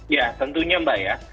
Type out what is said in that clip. ya tentunya mbak ya